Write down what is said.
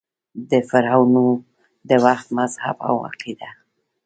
د فرعنوو د وخت مذهب او عقیده :